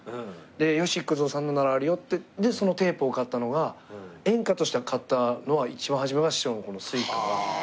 で吉幾三さんのならあるよってそのテープを買ったのが演歌として買ったのは一番初めは師匠のこの『酔歌』が初めで。